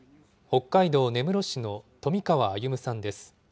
北海道根室市の冨川歩さんです。